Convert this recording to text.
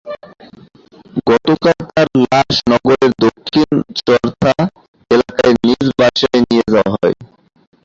গতকাল তাঁর লাশ নগরের দক্ষিণ চর্থা এলাকার নিজ বাসায় নিয়ে যাওয়া হয়।